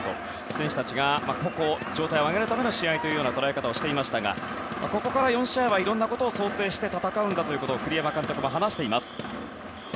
選手たちが個々、状態を上げるための試合だという捉え方をしていましたがここから４試合はいろんなことを想定して戦うと栗山監督も話していました。